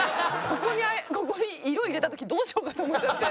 ここにここに色入れた時どうしようかと思っちゃって。